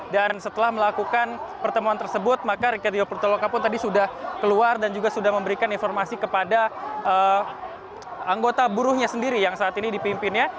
dan setelah melakukan pertemuan tersebut maka rike diakita loka pun tadi sudah keluar dan juga sudah memberikan informasi kepada anggota buruhnya sendiri yang saat ini dipimpinnya